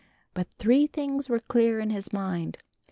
But three things were clear in his mind.